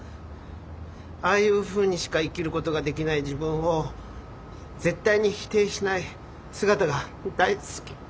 ああいうふうにしか生きることができない自分を絶対に否定しない姿が大好きで。